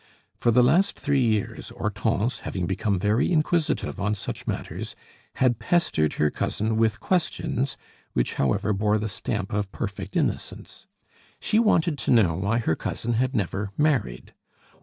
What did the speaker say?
For the last three years, Hortense, having become very inquisitive on such matters, had pestered her cousin with questions, which, however, bore the stamp of perfect innocence. She wanted to know why her cousin had never married.